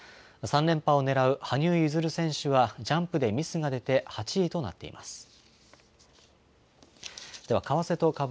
３連覇をねらう羽生結弦選手はジャンプでミスが出て、８位となっています。